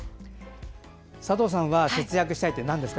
佐藤さんは節約したいって何ですか？